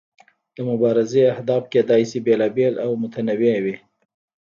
د مبارزې اهداف کیدای شي بیلابیل او متنوع وي.